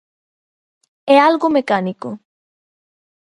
É algo mecánico.